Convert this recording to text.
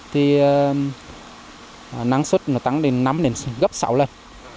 thì nắng xuất nó tăng đến năm đến gấp sáu lần